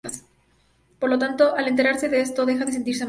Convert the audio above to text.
Por lo tanto, al enterarse de esto, deja de sentirse mal.